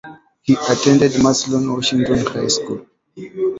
He attended Massillon Washington High School.